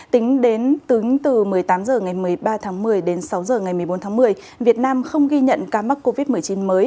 tính đến từ một mươi tám h ngày một mươi ba tháng một mươi đến sáu h ngày một mươi bốn tháng một mươi việt nam không ghi nhận ca mắc covid một mươi chín mới